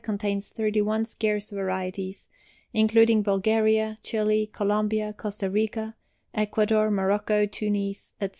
Contains 31 scarce varieties, including Bulgaria, Chili, Colombia, Costa Rica, Ecuador, Morocco, Tunis, etc.